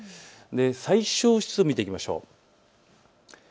最小湿度、見ていきましょう。